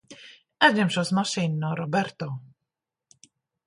Aizņemšos mašīnu no Roberto.